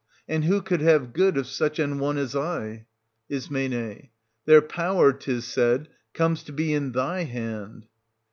And who could have good of such an one as I? Is. Their power, 'tis said, comes to be in thy hand.